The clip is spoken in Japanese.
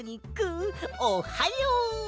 おっはよう！